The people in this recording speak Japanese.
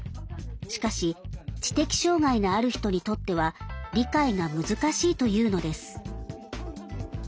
しかし知的障害のある人にとっては理解が難しいというのです。